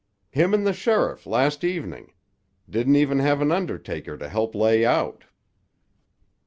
"Him and the sheriff last evening. Didn't even have an undertaker to help lay out."